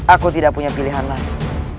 aku tidak punya pilihan lain